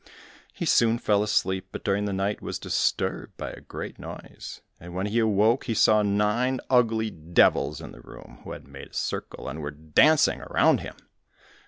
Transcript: He soon fell asleep, but during the night was disturbed by a great noise, and when he awoke, he saw nine ugly devils in the room, who had made a circle, and were dancing around him.